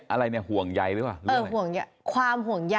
อะไรวะ